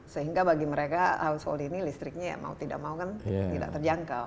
sehingga bagi mereka household ini listriknya ya mau tidak mau kan tidak terjangkau